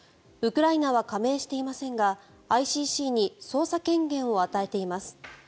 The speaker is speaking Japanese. ウクライナは加盟していませんがＩＣＣに捜査権限を与えています。